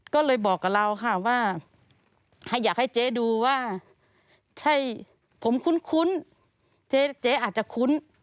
ก็เลยบอกกับเราค่ะว่าอยากให้เจ๊ดูว่าใช่ผมคุ้นเจ๊อาจจะคุ้น